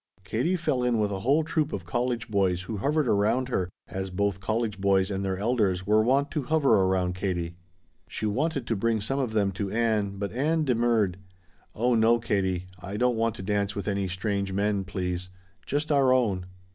Katie fell in with a whole troop of college boys who hovered around her, as both college boys and their elders were wont to hover around Katie. She wanted to bring some of them to Ann, but Ann demurred. "Oh no, Katie. I don't want to dance with any strange men, please. Just our own."